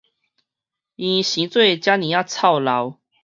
伊生做遮爾臭老